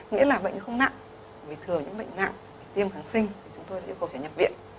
nghĩa là bệnh không nặng vì thừa những bệnh nặng tiêm kháng sinh thì chúng tôi yêu cầu trẻ nhập viện